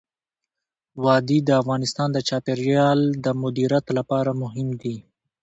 وادي د افغانستان د چاپیریال د مدیریت لپاره مهم دي.